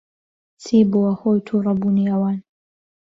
چی بووە ھۆی تووڕەبوونی ئەوان؟